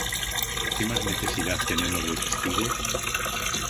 ¿qué más necesidad tenemos de testigos?